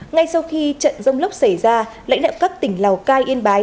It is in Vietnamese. ngay sau khi trận rông lốc xảy ra lãnh đạo các tỉnh lào cai yên bái